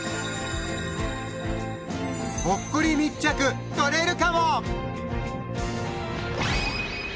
ほっこり密着撮れるかも！